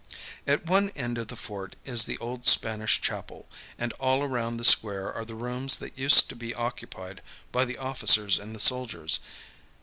At one end of the fort is the old Spanish chapel, and all around the square are the rooms that used to be occupied by the officers and the soldiers.